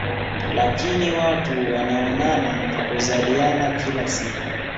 Lakini watu wanaoana na kuzaliana kila siku